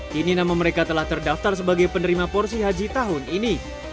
kini nama mereka telah terdaftar sebagai penerima porsi haji tahun ini